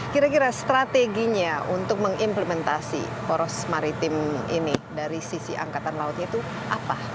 kira kira strateginya untuk mengimplementasi poros maritim ini dari sisi angkatan lautnya itu apa